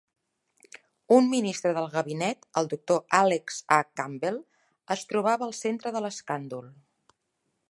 Un ministre del gabinet, el doctor Alex A. Campbell es trobava al centre de l'escàndol.